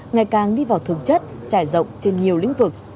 ngày càng đi vào thực chất trải rộng trên nhiều lĩnh vực